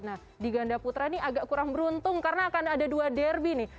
nah di ganda putra ini agak kurang beruntung karena akan ada dua derby nih